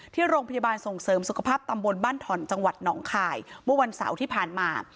ที่โรงพยาบาลส่งเสริมสุขภาพตำบลบ้านถ่อนจังหวัดหนองคายเมื่อวันเสาร์ที่ผ่านมา